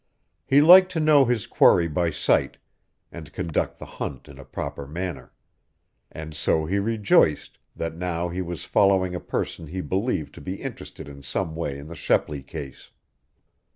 He liked to know his quarry by sight, and conduct the hunt in a proper manner. And so he rejoiced, that now he was following a person he believed to be interested in some way in the Shepley case.